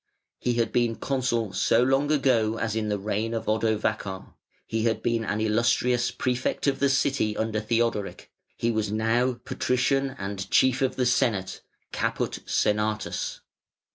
He had been consul so long ago as in the reign of Odovacar, he had been an "Illustrious" Prefect of the City under Theodoric; he was now Patrician and Chief of the Senate (Caput Senatus).